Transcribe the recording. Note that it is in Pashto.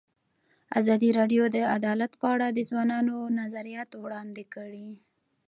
ازادي راډیو د عدالت په اړه د ځوانانو نظریات وړاندې کړي.